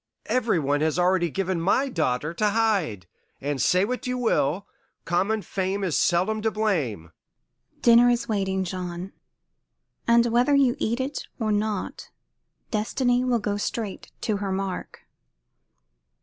Every one has already given my daughter to Hyde, and, say what you will, common fame is seldom to blame." "Dinner is waiting, John, and whether you eat it or not Destiny will go straight to her mark.